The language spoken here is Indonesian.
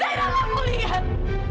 zaira nggak mau lihat